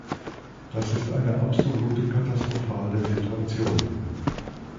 Das ist eine absolute katastrophale Situation!